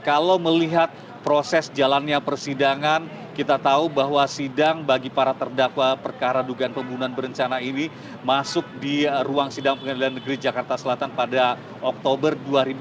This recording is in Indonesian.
kalau melihat proses jalannya persidangan kita tahu bahwa sidang bagi para terdakwa perkara dugaan pembunuhan berencana ini masuk di ruang sidang pengadilan negeri jakarta selatan pada oktober dua ribu dua puluh